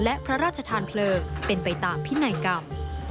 และพระราชทานเพลิงเป็นไปตามพินัยกรรม